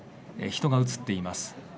人が映っています。